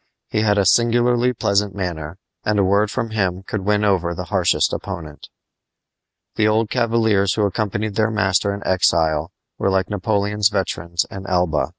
He had a singularly pleasant manner, and a word from him could win over the harshest opponent. The old cavaliers who accompanied their master in exile were like Napoleon's veterans in Elba.